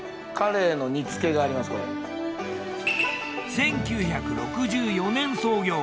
１９６４年創業。